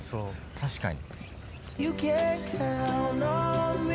確かに。